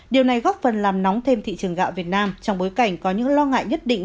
điều này góp phần làm nóng thêm thị trường gạo việt nam trong bối cảnh có những lo ngại nhất định